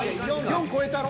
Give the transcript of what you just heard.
４超えたろ？